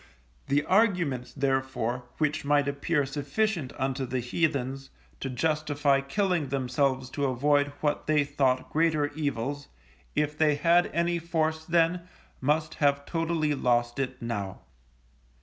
The arguments, therefore, which might appear sufficient unto the heathens, to justify killing themselves to avoid what they thought greater evils, if they had any force then must have totally lost it now.